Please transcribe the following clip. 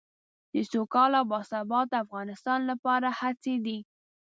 د سوکاله او باسواده افغانستان لپاره هڅې دي.